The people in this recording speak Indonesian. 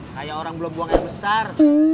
kayak orang belum buang air besar